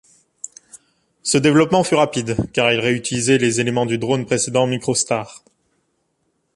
Ce développement fut rapide, car il réutilisait des éléments du drone précédent MicroStar.